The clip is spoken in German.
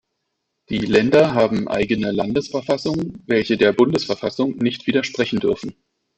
Die Länder haben eigene Landesverfassungen, welche der Bundesverfassung nicht widersprechen dürfen.